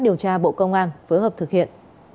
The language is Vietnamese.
điều tra bộ công an phối hợp thực hiện